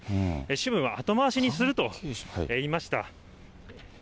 主文は後回しにすると言いました。